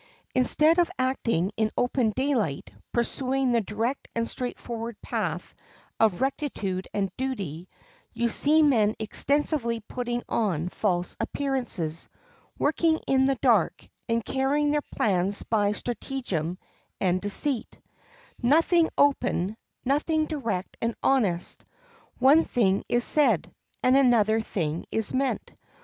Instead of acting in open daylight, pursuing the direct and straightforward path of rectitude and duty, you see men extensively putting on false appearances, working in the dark, and carrying their plans by stratagem and deceit; nothing open, nothing direct and honest; one thing is said, and another thing is meant.